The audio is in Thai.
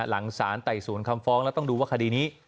หลังสารไต่สวนคำฟ้องแล้วต้องดูว่าคดีนี้